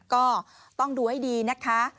ก็ต้องดูให้ดีนะคะ